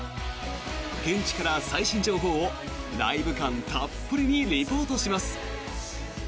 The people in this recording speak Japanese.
現地から最新情報をライブ感たっぷりにリポートします。